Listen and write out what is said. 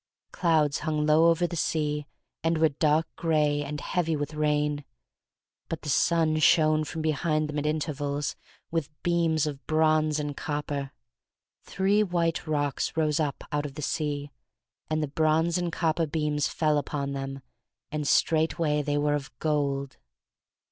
Clouds hung low over the sea and were dark gray and heavy with rain. But the sun shone from behind them at intervals with beams of bronze and copper. Three white rocks rose up out of the sea, and the bronze and copper beams fell upon them, and straightway they were of gold.